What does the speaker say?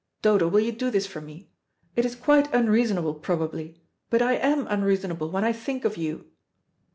Dodo, will you do this for me? It is quite unreasonable probably, but I am unreasonable when I think of you."